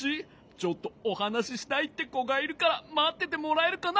ちょっとおはなししたいってこがいるからまっててもらえるかな？